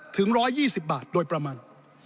ถึง๑๒๐บาทโดยประมาณ